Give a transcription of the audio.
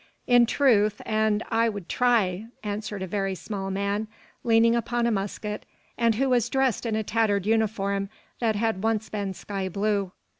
"In truth, an' I could thry," answered a very small man, leaning upon a musket, and who was dressed in a tattered uniform that had once been sky blue.